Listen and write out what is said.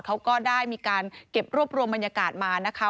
เขาก็ได้มีการเก็บรวบรวมบรรยากาศมานะคะ